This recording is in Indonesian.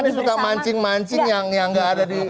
nangani suka mancing mancing yang tidak ada di